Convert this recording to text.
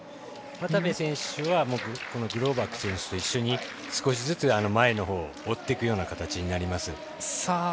渡部選手はこのグローバク選手と一緒に少しずつ、前のほう追っていくような形になります。